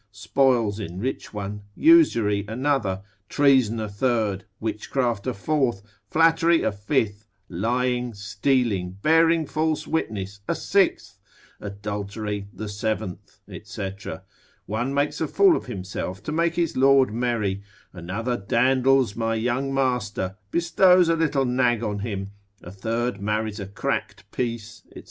spoils enrich one, usury another, treason a third, witchcraft a fourth, flattery a fifth, lying, stealing, bearing false witness a sixth, adultery the seventh, &c. One makes a fool of himself to make his lord merry, another dandles my young master, bestows a little nag on him, a third marries a cracked piece, &c.